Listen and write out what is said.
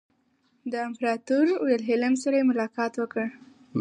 د امپراطور ویلهلم سره یې ملاقات وکړ.